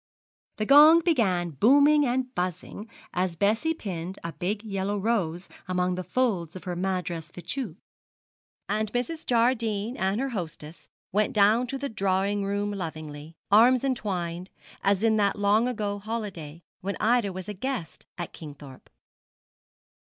The gong began booming and buzzing as Bessie pinned a big yellow rose among the folds of her Madras fichu, and Mrs. Jardine and her hostess went down to the drawing room lovingly arms entwined, as in that long ago holiday, when Ida was a guest at Kingthorpe.